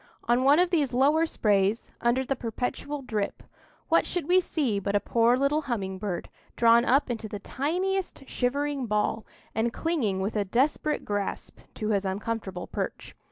On one of these lower sprays, under the perpetual drip, what should we see but a poor little humming bird, drawn up into the tiniest shivering ball, and clinging with a desperate grasp to his uncomfortable perch.